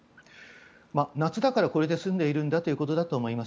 夏だからこれで済んでいるんだということだと思います。